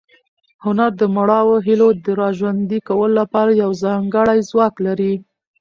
هنر د مړاوو هیلو د راژوندي کولو لپاره یو ځانګړی ځواک لري.